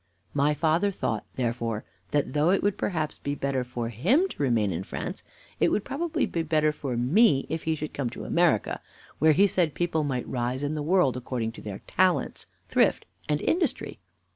My father thought, therefore, that, though it would perhaps be better for him to remain in France, It would probably be better for me if he should come to America, where he said people might rise in the world, according to their talents, thrift, and industry.